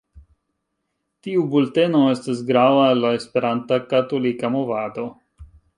Tiu bulteno estas grava al la Esperanta Katolika Movado.